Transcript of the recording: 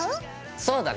そうだね。